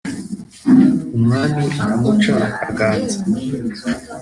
umwami aramuca akaganza